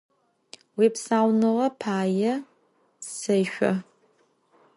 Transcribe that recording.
Vuipsaunığe paê sêşso!